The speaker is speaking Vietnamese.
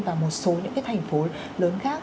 và một số những cái thành phố lớn khác